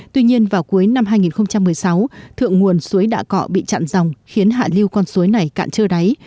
tuy nhiên vào cuối năm hai nghìn một mươi sáu thượng nguồn suối đạ cọ bị chặn dòng khiến hạ lưu con suối này cạn trơ đáy